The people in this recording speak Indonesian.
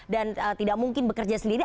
dan tidak mungkin bekerja sendiri